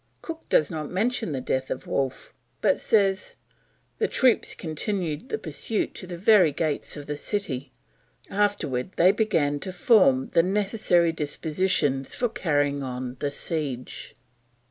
Cook does not mention the death of Wolfe, but says "the troops continued the pursuit to the very gates of the city, afterward they begun to form the necessary dispositions for carrying on the siege."